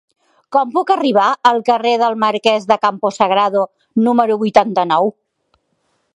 Com puc arribar al carrer del Marquès de Campo Sagrado número vuitanta-nou?